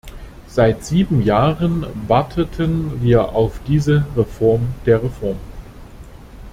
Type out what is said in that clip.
Seit sieben Jahren warteten wir auf diese Reform der Reform.